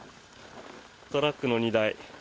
トラックの荷台。